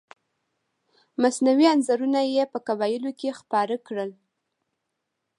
مصنوعي انځورونه یې په قبایلو کې خپاره کړل.